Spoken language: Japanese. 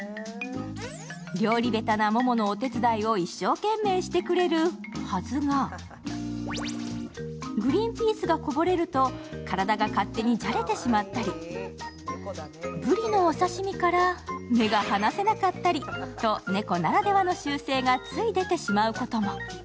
料理下手なモモのお手伝いを一生懸命してくれるはずがグリンピースがこぼれると体が勝手にじゃれてしまったりぶりのお刺身から目が離せなかったりと、と、猫ならではの習性がつい出てしまうことも。